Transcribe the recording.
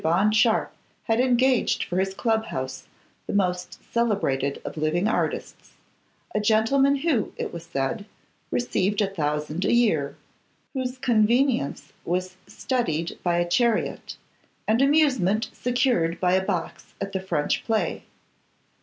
Bond Sharpe had engaged for his club house the most celebrated of living artists, a gentleman who, it was said, received a thousand a year, whose convenience was studied by a chariot, and amusement secured by a box at the French play.